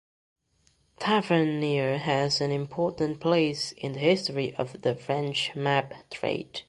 Tavernier has an important place in the history of the French map trade.